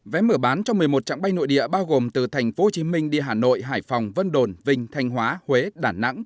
vé mở bán trong một mươi một trạng bay nội địa bao gồm từ tp hcm đi hà nội hải phòng vân đồn vinh thanh hóa huế đà nẵng